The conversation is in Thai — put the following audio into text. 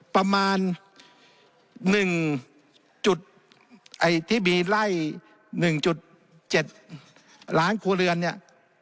ประมาณหนึ่งจุดไอ้ที่มีไล่หนึ่งจุดเจ็ดล้านครัวเรือนเนี้ย